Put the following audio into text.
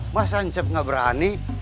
masa ngecep gak berani